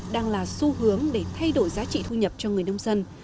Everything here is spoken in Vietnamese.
đang là xu hướng để thay đổi giá trị thu nhập cho người nông dân